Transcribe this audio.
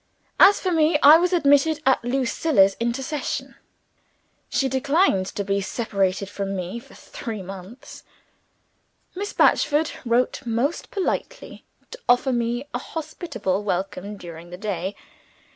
As for me, I was admitted at Lucilla's intercession. She declined to be separated from me for three months. Miss Batchford wrote, most politely, to offer me a hospitable welcome during the day.